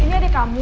ini ada kamu